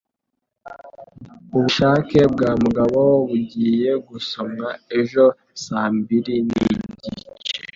Ubushake bwa Mugabo bugiye gusomwa ejo saa mbiri nigice.